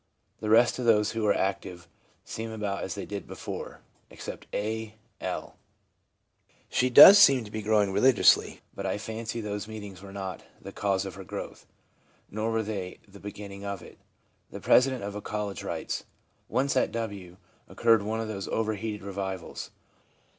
The rest of those who were active seem about as they did before, except A L . She does seem to be growing religiously ; but I fancy those meetings were not the cause of her growth, nor were they the beginning of it/ The president of a college writes :' Once at W occurred one of those overheated revivals.